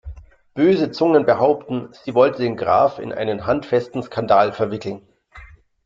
Böse Zungen behaupten, sie wollte den Graf in einen handfesten Skandal verwickeln.